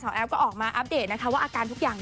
แอฟก็ออกมาอัปเดตนะคะว่าอาการทุกอย่าง